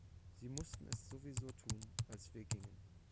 Sie mussten es sowieso tun, als wir gingen.